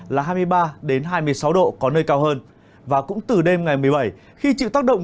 là hai mươi ba hai mươi sáu độ có nơi cao hơn và cũng từ đêm ngày một mươi bảy khi chịu tác động